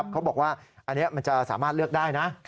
เขาบอกว่าอันนี้มันจะสามารถเลือกได้นะ